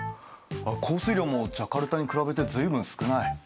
降水量もジャカルタに比べて随分少ない。